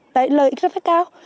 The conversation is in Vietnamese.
đấy lợi ích rất là cao